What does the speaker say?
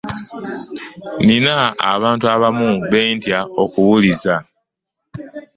nnina abantu abamu be ntya okuwuliza.